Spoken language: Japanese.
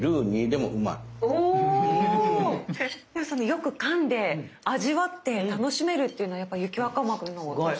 よくかんで味わって楽しめるっていうのはやっぱ雪若丸の特徴で。